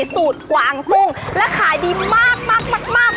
สูตรหวางปุ้งและขายดีมาก